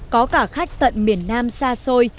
có cả khách tận miền nam xa xôi